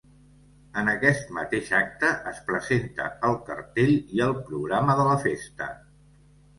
En aquest mateix acte, es presenta el cartell i el programa de la festa.